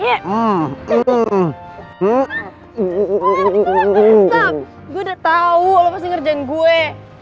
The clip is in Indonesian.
udah tau gue udah tau lo pasti ngerjain gue